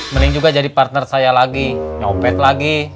mending juga jadi partner saya lagi nyopet lagi